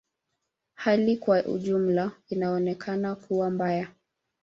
Hali kwa ujumla inaonekana kuwa mbaya.